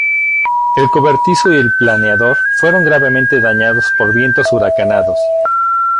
El cobertizo y el planeador fueron gravemente dañados por vientos huracanados.